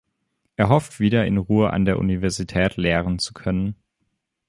Er hofft, wieder in Ruhe an der Universität lehren zu können.